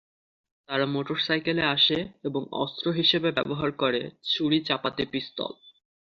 তারা মোটরসাইকেলে আসে এবং অস্ত্র হিসেবে ব্যবহার করে ছুরি, চাপাতি, পিস্তল।